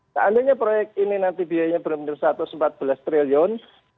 seandainya proyek ini nanti biayanya berbeda satu empat belas triliun